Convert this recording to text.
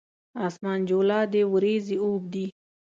اسمان جولا دی اوریځې اوبدي